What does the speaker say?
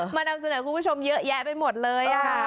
นำเสนอคุณผู้ชมเยอะแยะไปหมดเลยค่ะ